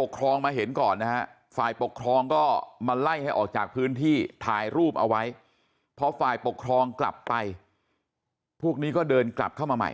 ปกครองก็มาไล่ให้ออกจากพื้นที่ถ่ายรูปเอาไว้พอฝ่ายปกครองกลับไปพวกนี้ก็เดินกลับเข้ามาใหม่